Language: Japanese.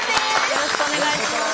よろしくお願いします。